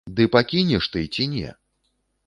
Ды пакінеш ты ці не?